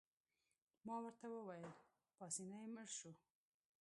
ما ورته وویل: پاسیني مړ شو.